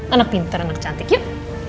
anak pintar anak cantik ya